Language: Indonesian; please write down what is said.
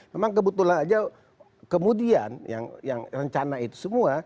memang kebetulan aja kemudian yang rencana itu semua